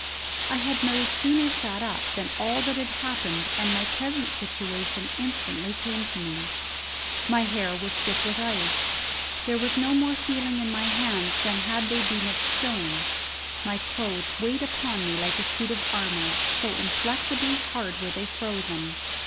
I had no sooner sat up than all that had happened and my present situation instantly came to me. My hair was stiff with ice; there was no more feeling in my hands than had they been of stone; my clothes weighed upon me like a suit of armour, so inflexibly hard were they frozen.